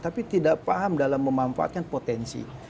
tapi tidak paham dalam memanfaatkan potensi